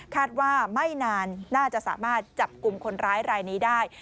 ว่าไม่นานน่าจะสามารถจับกลุ่มคนร้ายรายนี้ได้